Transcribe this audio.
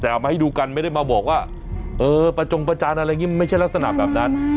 แต่เอามาให้ดูกันไม่ได้มาบอกว่าเออประจงประจานอะไรอย่างนี้มันไม่ใช่ลักษณะแบบนั้น